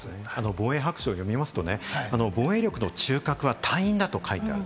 防衛白書を読みますと、防衛力の中核は隊員だと書いてある。